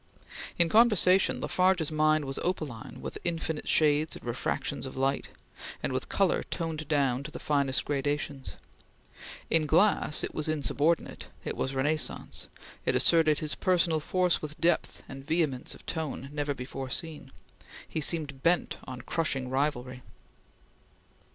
In conversation La Farge's mind was opaline with infinite shades and refractions of light, and with color toned down to the finest gradations. In glass it was insubordinate; it was renaissance; it asserted his personal force with depth and vehemence of tone never before seen. He seemed bent on crushing rivalry.